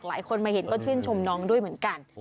หลายคนมาเห็นก็ชื่นชมน้องด้วยเหมือนกัน